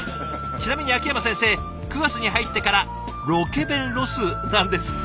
ちなみに秋山先生９月に入ってからロケ弁ロスなんですって。